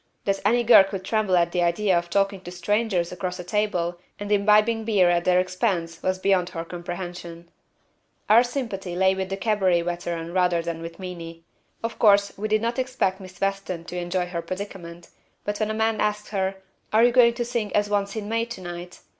"That any girl could tremble at the idea of talking to strangers across a table and imbibing beer at their expense was beyond her comprehension." Our sympathy lay with the cabaret veteran rather than with Meenie. Of course, we did not expect Miss Weston to enjoy her predicament, but when a man asked her, "Are you going to sing 'As Once in May' to night?"